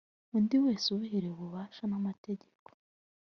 undi wese ubiherewe ububasha n amategeko